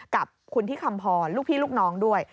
กับคุณที่คำพรลูกพี่ลูกน้องด้วย